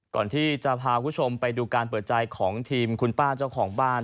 ก่อนที่จะพาคุณผู้ชมไปดูการเปิดใจของทีมคุณป้าเจ้าของบ้าน